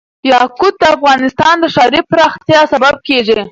یاقوت د افغانستان د ښاري پراختیا سبب کېږي.